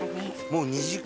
もう２時間。